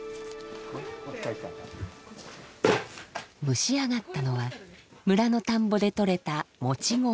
蒸し上がったのは村の田んぼでとれた餅米。